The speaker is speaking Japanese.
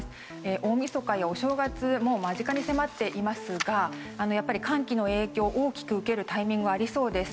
大みそかやお正月も間近に迫っていますが寒気の影響を大きく受けるタイミングがありそうです。